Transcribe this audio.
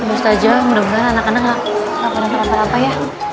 ustazyah mudah mudahan anak anak gak apa apa ya